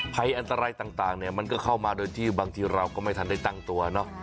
ภัยอันตรายต่างเนี่ยมันก็เข้ามาโดยที่บางทีเราก็ไม่ทันได้ตั้งตัวเนาะ